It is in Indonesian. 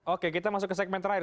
oke kita masuk ke segmen terakhir